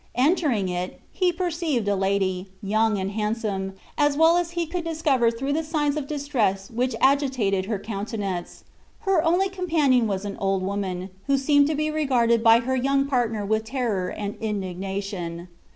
Entering it, he perceived a lady, young and handsome, as well as he could discover through the signs of distress which agitated her countenance. Her only companion was an old woman, who seemed to be regarded by her young partner with terror and indignation.